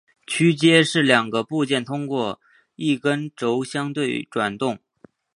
枢接是两个部件通过一根轴相对转动。